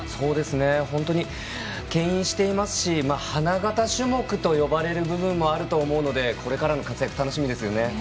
本当にけん引していますし花形種目と呼ばれる部分もあると思うのでこれからの活躍楽しみですよね。